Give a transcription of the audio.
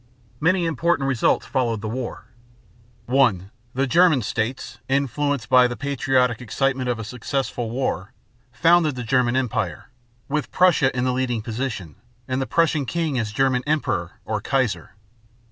Many important results followed the war: (1) The German states, influenced by the patriotic excitement of a successful war, founded the German Empire, with Prussia in the leading position, and the Prussian king as German emperor or "Kaiser."